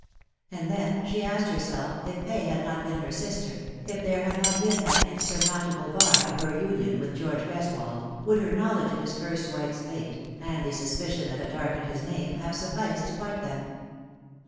And then she asked herself if Fay had not been her sister, if there had not been that insurmountable bar to her union with George Greswold, would her knowledge of his first wife's fate, and the suspicion that had darkened his name, have sufficed to part them